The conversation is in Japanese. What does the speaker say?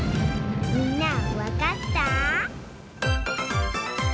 みんなわかった？